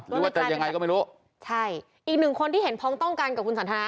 หรือว่าจะยังไงก็ไม่รู้ใช่อีกหนึ่งคนที่เห็นพ้องต้องกันกับคุณสันทนา